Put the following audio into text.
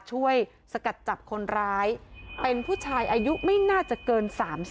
สกัดจับคนร้ายเป็นผู้ชายอายุไม่น่าจะเกิน๓๐